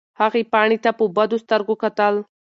هغې پاڼې ته په بدو سترګو کتل.